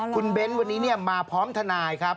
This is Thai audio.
คุณเบ้นวันนี้มาพร้อมทนายครับ